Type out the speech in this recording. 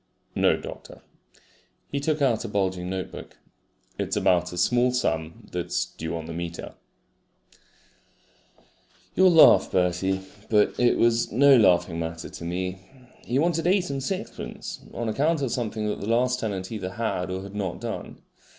"No, doctor." He took out a bulging notebook. "It's about a small sum that's due on the meter." You'll laugh, Bertie, but it was no laughing matter to me. He wanted eight and sixpence on account of something that the last tenant either had or had not done.